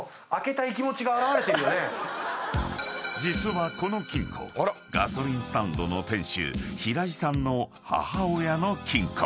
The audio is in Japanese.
［実はこの金庫ガソリンスタンドの店主平井さんの］